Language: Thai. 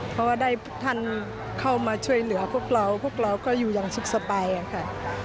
เพราะว่าได้ท่านเข้ามาช่วยเหลือพวกเราพวกเราก็อยู่อย่างสุขสบายค่ะ